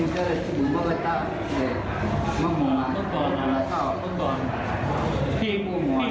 แกบอกว่าเมื่อก่อนเคยก็เคยไปอุ้มที่บ้านอยู่